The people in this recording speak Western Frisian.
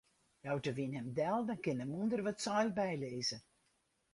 Jout de wyn him del, dan kin de mûnder wat seil bylizze.